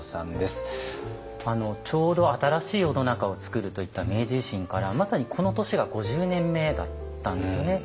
ちょうど新しい世の中をつくるといった明治維新からまさにこの年が５０年目だったんですよね。